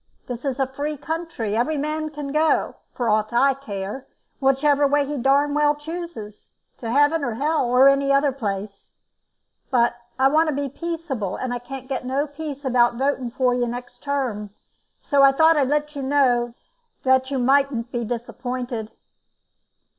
This is a free country; every man can go, for aught I care, whichever way he darn chooses to heaven, or hell, or any other place. But I want to be peaceable, and I can't get no peace about voting for you next term, so I thought I'd let you know, that you mightn't be disappointed."